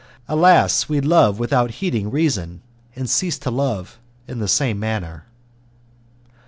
Alas! we love without heeding reason, and cease to love in the same manner.